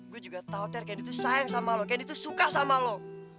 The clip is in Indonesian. gue juga tau ter gendy tuh sayang sama lo gendy tuh suka sama lo